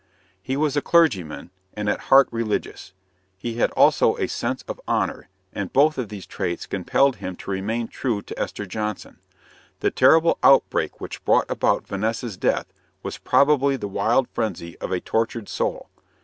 He was a clergyman, and at heart religious. He had also a sense of honor, and both of these traits compelled him to remain true to Esther Johnson. The terrible outbreak which brought about Vanessa's death was probably the wild frenzy of a tortured soul.